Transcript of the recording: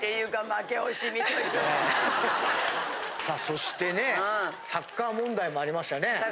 さあそしてねサッカー問題もありましたね。